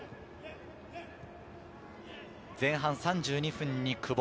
前半３２分に久保。